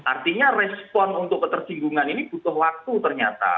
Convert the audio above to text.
artinya respon untuk ketersinggungan ini butuh waktu ternyata